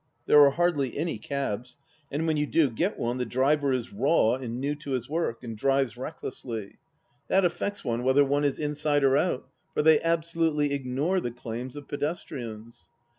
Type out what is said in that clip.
There are hardly any cabs, and when you do get one the driver is raw and new to his work, and drives recklessly. THE LAST DITCH 247 That affects one, whether one is inside or out, for they absolutely ignore the claims of pedestrians.